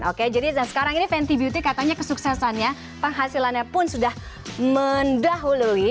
oke jadi sekarang ini fenty beauty katanya kesuksesannya penghasilannya pun sudah mendahului